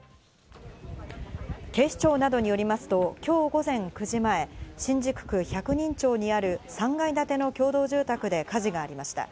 警視庁などによりますと今日午前９時前、新宿区百人町にある３階建ての共同住宅で火事がありました。